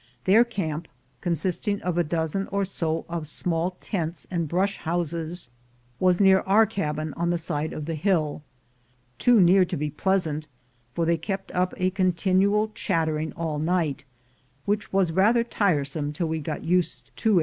Their camp, consist ing of a dozen or so of small tents and brush houses^ was near our cabin on tbe side of the hiD — too near to be pleasant, for they kept up a oinlim H l d iatteri ag ill niglit, whidi was rather tiresome till we got used to it.